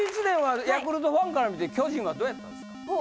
２０２１年はヤクルトファンから見て巨人はどうやったんですか？